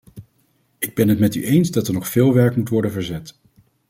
Ik ben het met u eens dat er nog veel werk moet worden verzet.